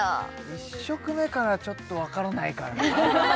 １色目からちょっと分からないからな